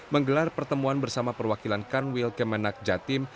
menggelar pertemuan bersama perwakilan kanwil kemenak jatim